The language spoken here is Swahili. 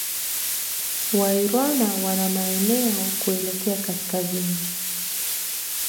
Wairwana wana maeneo kuelekea Kaskazini